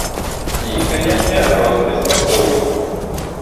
І, канешне, рост беспрацоўя.